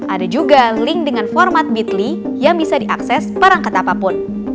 ada juga link dengan format bitly yang bisa diakses perangkat apapun